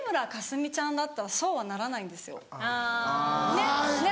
ねっ！